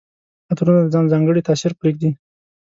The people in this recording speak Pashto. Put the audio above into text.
عطرونه د ځان ځانګړی تاثر پرېږدي.